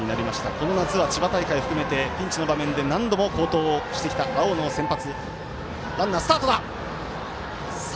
この夏は千葉大会含めてピンチの場面で何度も好投してきた青野先発。